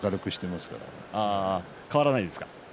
変わらないですか。